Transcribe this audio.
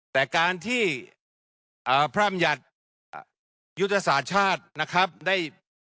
แต่การที่พระอำยัติยุทธศาสตร์ชาตินะครับได้